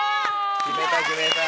決めた決めた。